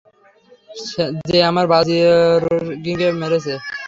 যে আমাদের বাজরঙ্গীকে মেরেছে।